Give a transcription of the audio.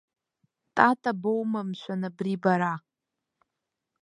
Тата боума, мшәан, абри бара?!